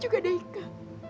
juga deh ika